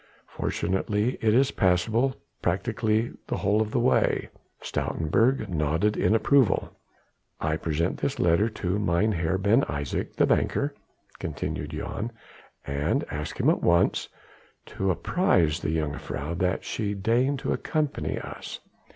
Fortunately it is passable practically the whole of the way." Stoutenburg nodded in approval. "I present this letter to Mynheer Ben Isaje, the banker," continued Jan, "and ask him at once to apprise the jongejuffrouw that she deign to accompany us."